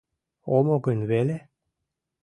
Омо гын веле?